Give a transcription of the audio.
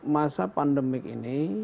masa pandemik ini